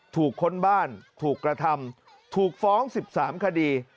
ค้นบ้านถูกกระทำถูกฟ้อง๑๓คดี